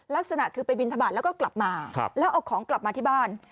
ลักษณะคือไปบินทบาทแล้วก็กลับมาแล้วเอาของกลับมาที่บ้าน